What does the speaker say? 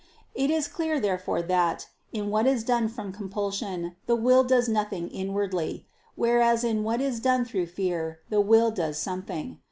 It is clear therefore that in what is done from compulsion, the will does nothing inwardly; whereas in what is done through fear, the will does something.